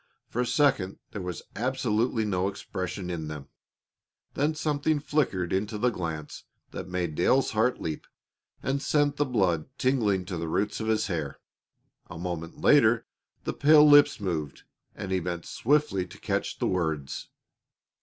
For a second there was absolutely no expression in them. Then something flickered into the glance that made Dale's heart leap and sent the blood tingling to the roots of his hair. A moment later the pale lips moved, and he bent swiftly to catch the words.